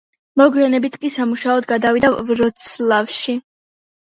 მოგვიანებით კი სამუშაოდ გადავიდა ვროცლავში.